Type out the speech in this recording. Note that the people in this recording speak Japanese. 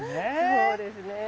そうですね。